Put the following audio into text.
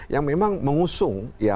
yang memang mengusung semangat takfiri